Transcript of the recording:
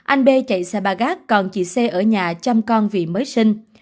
anh b chạy xe ba gác còn chị c ở nhà chăm con vì mới sinh